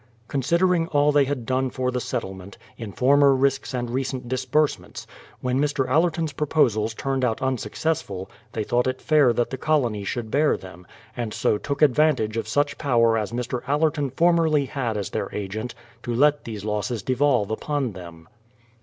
Considering all they had done for the settlement, in former risks and recent disbursements, when Mr. AUer ton's proposals turned out unsuccessful they thought it fair that the colony should bear them, and so took ad 232 BRADFORD'S HISTORY OF vantage of such power as Mr. Allerton formerly had as their agent, to let these losses devolve upon them.